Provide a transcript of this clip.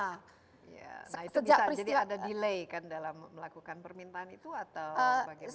nah itu bisa jadi ada delay kan dalam melakukan permintaan itu atau bagaimana